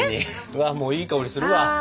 うわもういい香りするわ！